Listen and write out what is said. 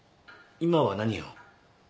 今は何を？